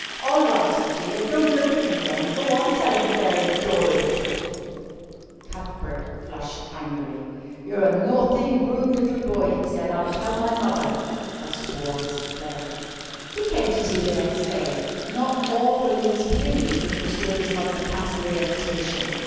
"All right," he jeered, "don't look at me then. Go on tellin' fairy thorieth." Cuthbert flushed angrily. "You're a nathty rude little boy," he said. "I'll tell my mother." Thus war was declared. He came to tea the next day. Not all William's pleading could persuade his mother to cancel the invitation.